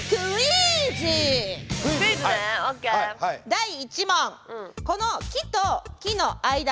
第１問！